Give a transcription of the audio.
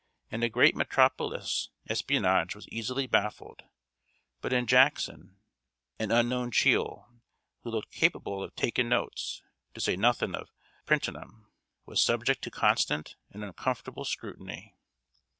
In a great metropolis, espionage was easily baffled; but in Jackson, an unknown chiel, who looked capable of "takin' notes," to say nothing of "prentin' 'em," was subject to constant and uncomfortable scrutiny.